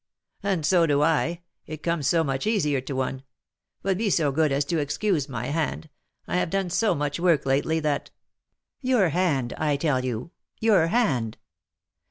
"And so do I, it comes so much easier to one. But be so good as to excuse my hand; I have done so much work lately, that " "Your hand, I tell you, your hand!"